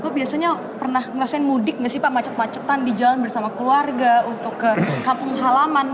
bapak biasanya pernah ngerasain mudik nggak sih pak macet macetan di jalan bersama keluarga untuk ke kampung halaman